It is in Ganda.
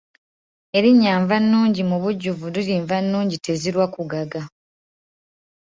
Erinnya Nvannungi mu bujjuvu liri Nvannungi tezirwa kugaga.